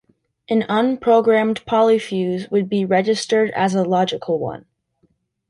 An unprogrammed polyfuse would be registered as a logical one.